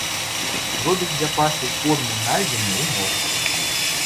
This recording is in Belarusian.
Робіць запасы корму на зіму ў норах.